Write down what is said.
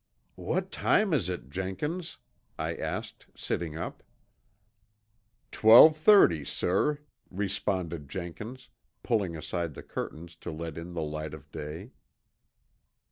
"What time is it, Jenkins?" I asked, sitting up. "Twelve thirty, sir," responded Jenkins, pulling aside the curtains to let in the light of day.